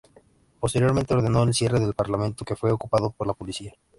Posteriormente, ordenó el cierre del parlamento, que fue ocupado por la policía.